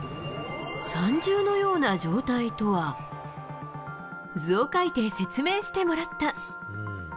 三重のような状態とは、図を描いて説明してもらった。